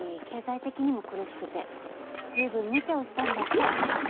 経済的にも苦しくてずいぶんむちゃをしたんだって。